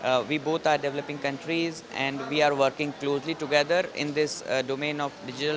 kami berdua adalah negara berkembang dan kita bekerja bersama sama dalam domen transformasi digital